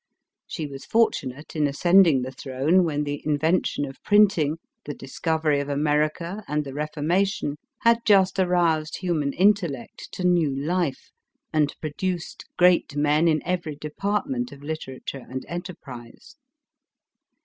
She was fortunate in ascending the throne when the inven tion of Printing, the discovery of America, and the Reformation, had just aroused human intellect to new life, and produced great men in every department of literature and enterprise.